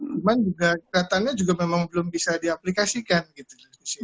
cuman juga katanya juga memang belum bisa diaplikasikan gitu